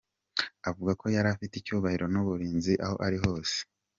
Avuga ko yari afite icyubahiro n’uburinzi aho ari hose.